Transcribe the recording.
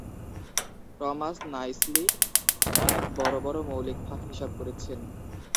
Thomas nicely অনেক বড় বড় মৌলিক ফাঁক হিসাব করেছেন।